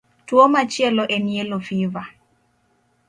Tuwo machielo en yellow fever.